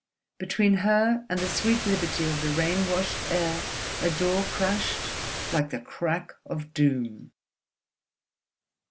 Between her and the sweet liberty of the rain washed air a door crashed like the crack of doom.